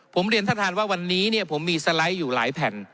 ผมเรียนท่านท่านว่าวันนี้เนี่ยผมมีสไลด์อยู่หลายแผ่น